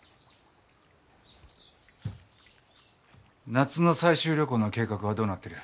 夏の採集旅行の計画はどうなってる？